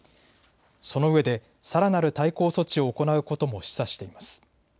そのうえでさらなる対抗措置を行うことも示唆しています。